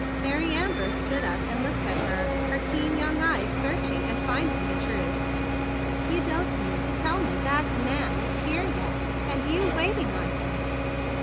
Mary Amber stood up and looked at her, her keen young eyes searching and finding the truth. "You don't mean to tell me that man is here yet? And you waiting on him!"